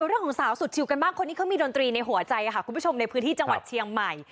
เรื่องของสาวสุดชิวกันบ้างคนนี้เขามีดนตรีในหัวใจค่ะคุณผู้ชมในพื้นที่จังหวัดเชียงใหม่